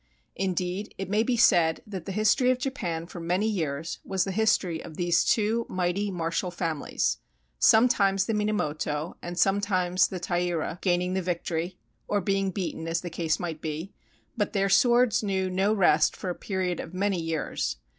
Indeed, it may be said that the his tory of Japan for many years was the history of these two mighty martial families; sometimes the Minamoto and sometimes the Taira gaining the victory, or being beaten, as the case might be ; but their swords knew no rest for a period of many years.